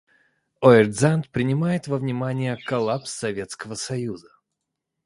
Ортзанд принимает во внимание коллапс Советского Союза.